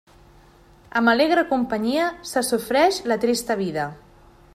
Amb alegre companyia, se sofreix la trista vida.